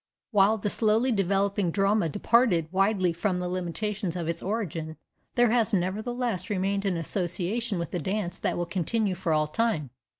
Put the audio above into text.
While the slowly developing drama departed widely from the limitations of its origin, there has, nevertheless, remained an association with the dance that will continue for all time.